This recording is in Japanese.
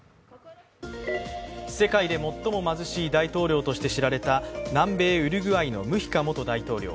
世界で最も貧しい大統領として知られた南米ウルグアイのムヒカ元大統領。